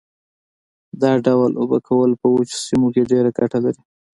دا ډول اوبه کول په وچو سیمو کې ډېره ګټه لري.